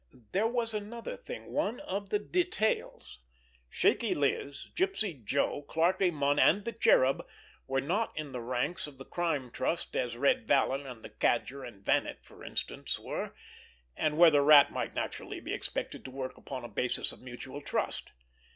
There was another thing—one of the little details. Shaky Liz, Gypsy Joe, Clarkie Munn and the Cherub were not in the ranks of the Crime Trust as Red Vallon, and the Cadger, and Vannet, for instance, were, and where the Rat might naturally be expected to work upon a basis of mutual trust.